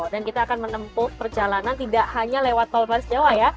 dan kita akan menempuh perjalanan tidak hanya lewat tol paris jawa ya